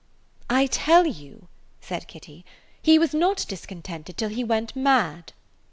"I tell you," said Kitty, "he was not discontented till he went mad."